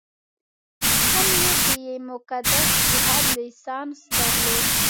هم یې د مقدس جهاد لایسنس درلود.